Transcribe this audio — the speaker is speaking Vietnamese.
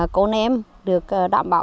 con em được đảm bảo